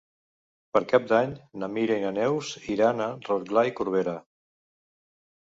Per Cap d'Any na Mira i na Neus iran a Rotglà i Corberà.